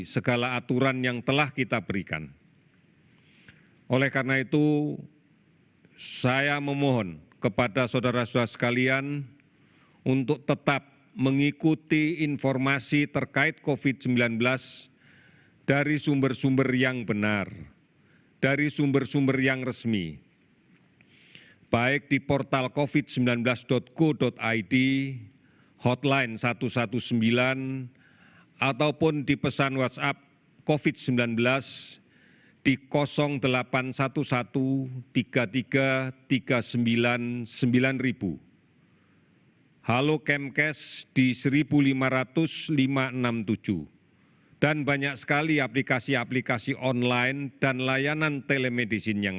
saya memohon kepada saudara saudara sekalian untuk tetap mengikuti informasi terkait covid sembilan belas